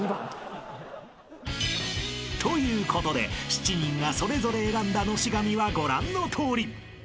［ということで７人がそれぞれ選んだのし紙はご覧のとおり］